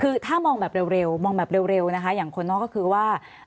คือถ้ามองแบบเร็วอย่างคนนอกก็คือว่า